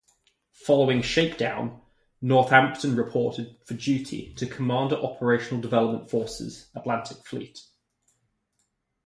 Following shakedown, "Northampton" reported for duty to Commander Operational Development Forces, Atlantic Fleet.